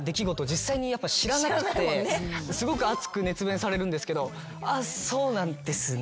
実際にやっぱ知らなくてすごく熱く熱弁されるんですけど「あっそうなんですね」